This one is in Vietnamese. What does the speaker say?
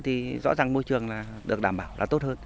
thì rõ ràng môi trường là được đảm bảo là tốt hơn